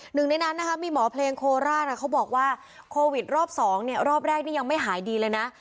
หนึ่งในนั้นนะคะมีหมอเพลงโคราชเขาบอกว่าโควิดรอบ๒รอบแรกนี่ยังไม่หายดีเลยนะ